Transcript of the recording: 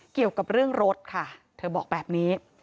เกี่ยวกับเรื่องรถค่ะเธอบอกแบบนี้